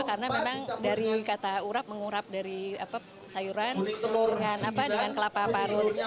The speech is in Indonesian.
karena memang dari kata urap mengurap dari sayuran dengan kelapa parut